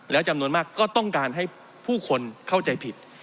แล้วจำนวนมากก็ต้องการให้ผู้คนเข้าใจผิด